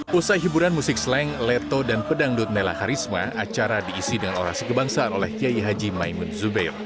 pusat hiburan musik sleng leto dan pedangdut nela karisma acara diisi dengan orasi kebangsaan oleh kiai haji maimun zubir